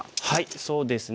そうですね